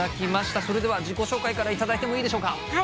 それでは自己紹介から頂いてもいいでしょうか？